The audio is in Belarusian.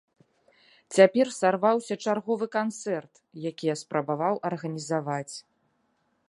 Цяпер сарваўся чарговы канцэрт, які я спрабаваў арганізаваць.